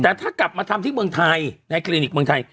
แต่ถ้ากลับมาทำที่เมืองไทยในคลินิกเมืองไทย